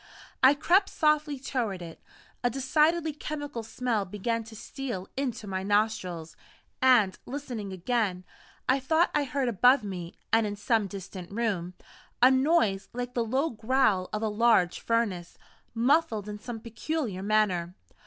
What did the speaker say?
I crept softly toward it. A decidedly chemical smell began to steal into my nostrils and, listening again, I thought I heard above me, and in some distant room, a noise like the low growl of a large furnace, muffled in some peculiar manner.